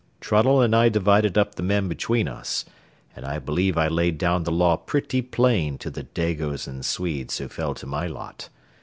Trunnell and I divided up the men between us, and I believe I laid down the law pretty plain to the Dagos and Swedes who fell to my lot.